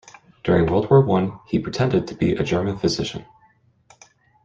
During World War One, he pretended to be a German physician.